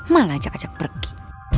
malah ajak ajak pergi